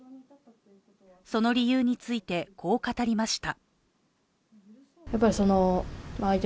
その理由について、こう語りました。